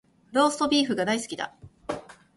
ローストビーフが大好きだ